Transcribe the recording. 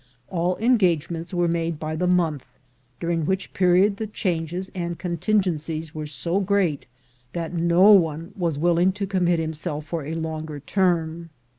All engagements were made by the month, during which period the changes and contin gencies were so great that no one was willing to commit himself for a longer term.